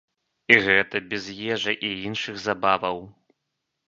І гэта без ежы і іншых забаваў.